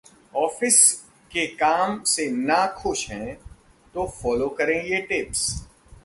Office के काम से 'नाखुश' हैं? तो फॉलो करें ये टिप्स